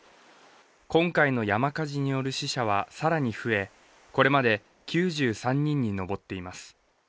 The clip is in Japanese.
今回の山火事による死者は更に増え、これまで９３人に上っています。